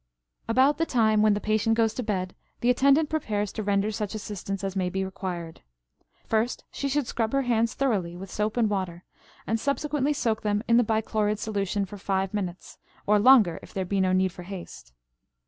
About the time when the patient goes to bed the attendant prepares to render such assistance as may be required. First she should scrub her hands thoroughly with soap and water and subsequently soak them in the bichlorid solution for five minutes, or longer if there be no need for haste.